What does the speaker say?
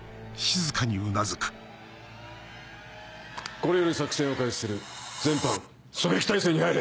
これより作戦を開始する全班狙撃態勢に入れ。